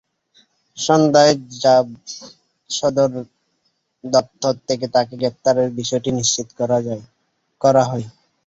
সন্ধ্যায় র্যাব সদর দপ্তর থেকে তাঁকে গ্রেপ্তারের বিষয়টি নিশ্চিত করা হয়।